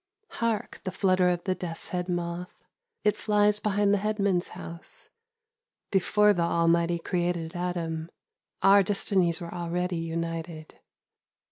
Hark! the flutter of the death's head moth; It flies behind the headman's house. Before the Almighty created Adam, Our destinies were already united.